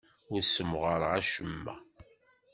Ur ssemɣareɣ acemma.